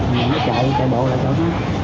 mình chạy chạy bộ lại chỗ đó